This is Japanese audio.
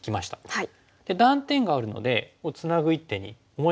はい。